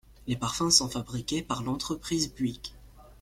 Les parfums sont fabriqués par l'entreprise Puig.